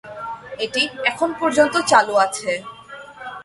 এটি এখন পর্যন্ত চালু আছে।